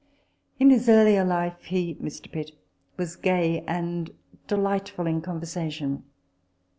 In his earlier life he was gay and delightful in conversation.